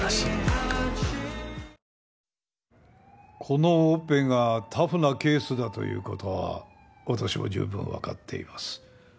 このオペがタフなケースだという事は私も十分わかっています。